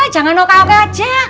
jangan oke oke aja